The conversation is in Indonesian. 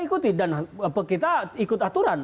ikuti dan kita ikut aturan